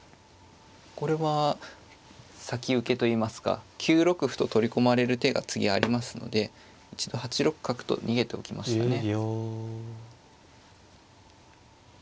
これは先受けといいますか９六歩と取り込まれる手が次ありますので一度８六角と逃げておきましたね。